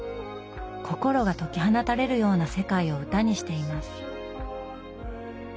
心が解き放たれるような世界を歌にしています。